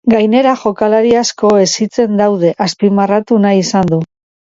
Gainera, jokalari asko hezitzen daude azpimarratu nahi izan du.